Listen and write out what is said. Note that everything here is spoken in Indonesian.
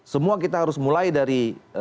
semua kita harus mulai dari